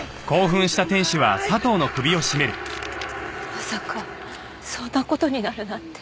まさかそんな事になるなんて。